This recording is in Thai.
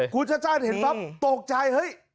คุณชาติแชทเห็นปรับตกใจ